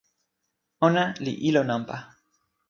ona li ilo nanpa!